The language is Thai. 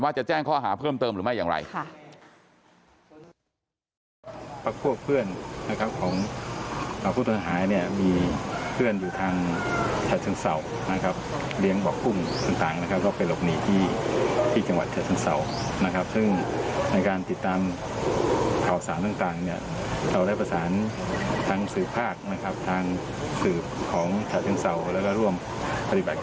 จะแจ้งข้อหาเพิ่มเติมหรือไม่อย่างไร